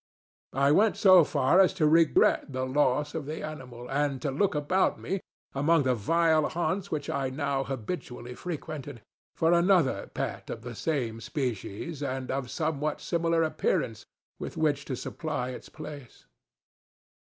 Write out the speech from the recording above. I went so far as to regret the loss of the animal, and to look about me, among the vile haunts which I now habitually frequented, for another pet of the same species, and of somewhat similar appearance, with which to supply its place.